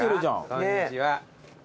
こんにちは。